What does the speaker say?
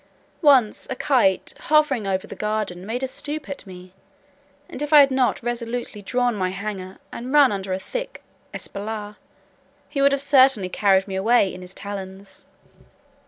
Once a kite, hovering over the garden, made a stoop at me, and if I had not resolutely drawn my hanger, and run under a thick espalier, he would have certainly carried me away in his talons.